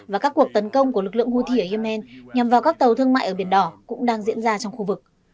và các cuộc tấn công của lực lượng houthi ở yemen nhằm vào các tàu thương mại ở biển đỏ cũng đang diễn ra trong khu vực